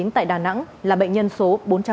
tại đà nẵng là bệnh nhân số bốn trăm một mươi sáu